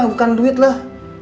bukan duit lah